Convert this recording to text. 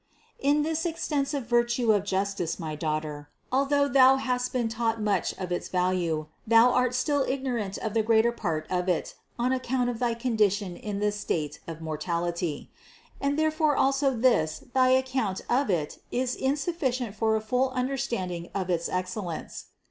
569. In this extensive virtue of Justice, my daughter, although thou hast been taught much of its value, thou still art ignorant of the greater part of it on account of thy condition in this state of mortality ; and therefore also this thy account of it is insufficient for a full understanding of its excellence.